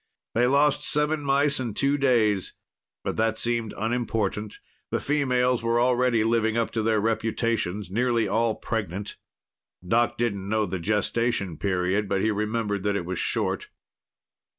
They lost seven mice in two days, but that seemed unimportant; the females were already living up to their reputations, nearly all pregnant. Doc didn't know the gestation period, but he remembered that it was short.